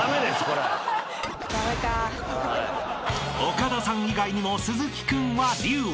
［岡田さん以外にも鈴木君は「龍」を］